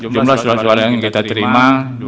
jumlah surat suara yang kita terima